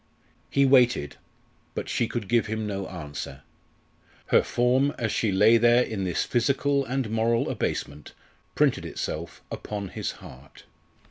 He waited, but she could give him no answer. Her form as she lay there in this physical and moral abasement printed itself upon his heart.